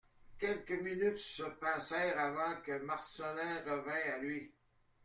Quelques minutes se passèrent avant que Marcelin revînt à lui.